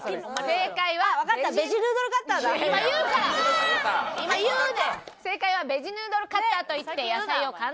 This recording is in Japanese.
正解はベジヌードルカッターといって。